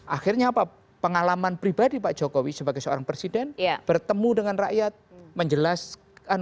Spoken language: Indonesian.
akhirnya apa pengalaman pribadi pak jokowi sebagai seorang presiden